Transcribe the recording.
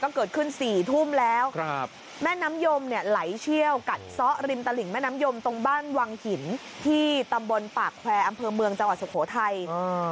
ก็เกิดขึ้นสี่ทุ่มแล้วครับแม่น้ำยมเนี่ยไหลเชี่ยวกัดซ้อริมตลิงแม่น้ำยมตรงบ้านวังหินที่ตำบลปากแควร์อำเภอเมืองจังหวัดสุโขทัย